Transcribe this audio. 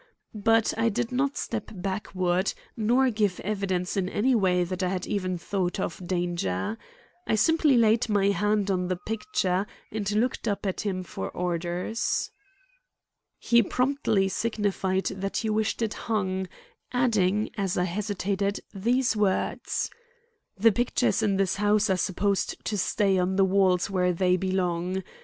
But I did not step backward, nor give evidence in any way that I had even thought of danger. I simply laid my hand on the picture and looked up at him for orders. He promptly signified that he wished it hung, adding as I hesitated these words: "The pictures in this house are supposed to stay on the walls where they belong.